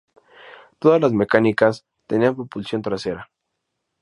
Todas las mecánicas tenían propulsión trasera.